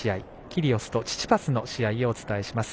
キリオスとチチパスの試合をお伝えします。